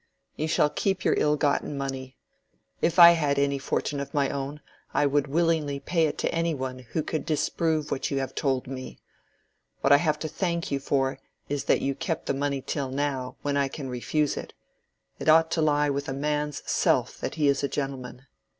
You shall keep your ill gotten money. If I had any fortune of my own, I would willingly pay it to any one who could disprove what you have told me. What I have to thank you for is that you kept the money till now, when I can refuse it. It ought to lie with a man's self that he is a gentleman.